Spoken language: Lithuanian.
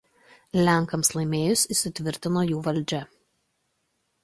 Lenkams laimėjus įsitvirtino jų valdžia.